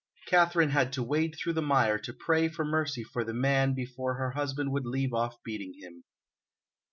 Katharine had to wade through the mire to pray for mercy for the man before her husband would leave off beating him.